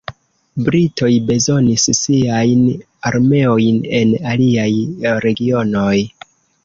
Britoj bezonis siajn armeojn en aliaj regionoj.